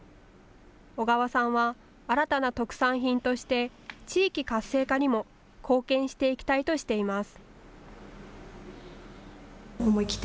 小川さんは新たな特産品として地域活性化にも貢献していきたいとしています。